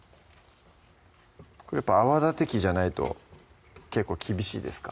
これやっぱ泡立て器じゃないと結構厳しいですか？